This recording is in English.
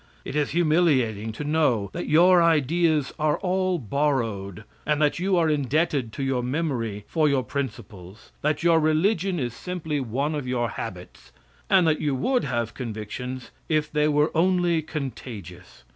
It is humiliating to know that your ideas are all borrowed, and that you are indebted to your memory for your principles, that your religion is simply one of your habits, and that you would have convictions if they were only contagious.